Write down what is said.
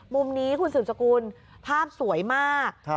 มุมนี้คุณสืบสกุลภาพสวยมาก